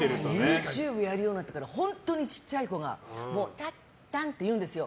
ＹｏｕＴｕｂｅやるようになったら本当にちっちゃい子がさっちゃんって言うんですよ。